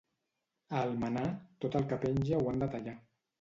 A Almenar, tot el que penja ho han de tallar.